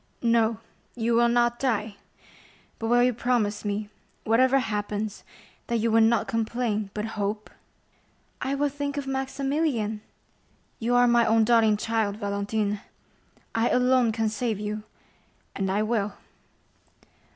"No, you will not die; but will you promise me, whatever happens, that you will not complain, but hope?" "I will think of Maximilian!" "You are my own darling child, Valentine! I alone can save you, and I will."